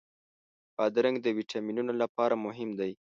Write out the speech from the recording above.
بادرنګ د ویټامینونو لپاره مهم دی.